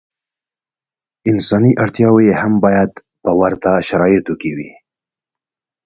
انساني اړتیاوې یې هم باید په ورته شرایطو کې وي.